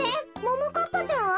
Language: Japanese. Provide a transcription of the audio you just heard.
ももかっぱちゃん？